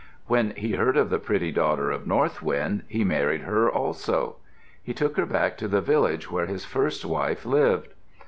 When he heard of the pretty daughter of North Wind he married her also. He took her back to the village where his first wife lived.